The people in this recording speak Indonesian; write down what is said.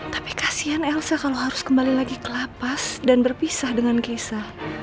tapi kasian elsa kalau harus kembali lagi ke lapas dan berpisah dengan kesa